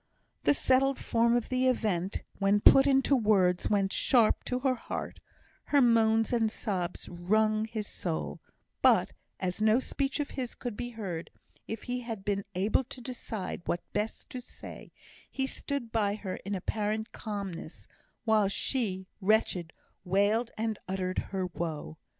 The settled form of the event, when put into words, went sharp to her heart; her moans and sobs wrung his soul; but as no speech of his could be heard, if he had been able to decide what best to say, he stood by her in apparent calmness, while she, wretched, wailed and uttered her woe.